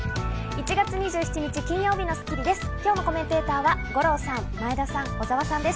１月２７日、金曜日の『スッキリ』です。